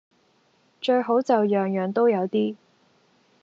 最好就樣樣都有啲